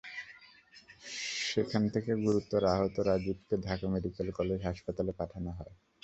সেখান থেকে গুরুতর আহত রাজিবকে ঢাকা মেডিকেল কলেজ হাসপাতালে পাঠানো হয়।